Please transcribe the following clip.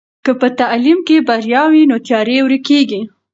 که په تعلیم کې بریا وي نو تیارې ورکېږي.